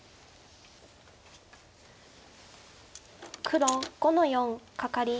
黒５の四カカリ。